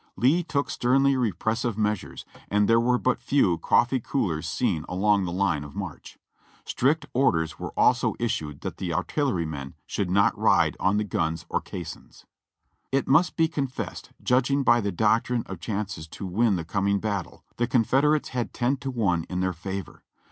Lee took sternly repressive measures, and there were but few coffee coolers seen along the line of march. Strict orders were also issued that the artillerymen should not ride on the guns or caissons. It must be confessed, judging by the doctrine of chances to win the coming battle, the Confederates had ten to one in their favor.